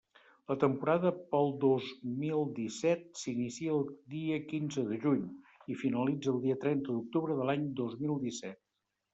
La temporada pel dos mil disset s'inicia el dia quinze de juny i finalitza el dia trenta d'octubre de l'any dos mil disset.